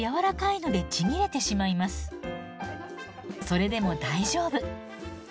それでも大丈夫。